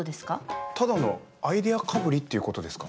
ただのアイデアかぶりっていうことですか？